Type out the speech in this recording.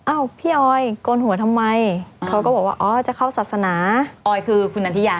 พี่ออยโกนหัวทำไมเขาก็บอกว่าอ๋อจะเข้าศาสนาออยคือคุณนันทิยา